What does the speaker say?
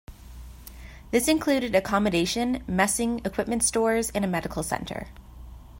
This included accommodation, messing, equipment stores and a medical centre.